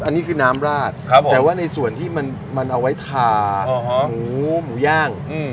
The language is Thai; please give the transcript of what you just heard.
อันนี้คือน้ำราดแต่ว่าในส่วนที่มันเอาไว้ทาหมูหมูย่าง